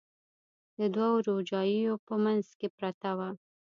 د دوو روجاییو په منځ کې پرته وه.